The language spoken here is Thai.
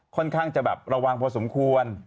ค่อนข้างจะแบบระวังพอสมควร